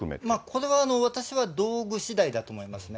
これは私は道具しだいだと思いますね。